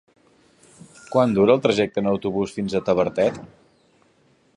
Quant dura el trajecte en autobús fins a Tavertet?